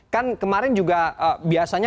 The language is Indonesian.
kan kemarin juga biasanya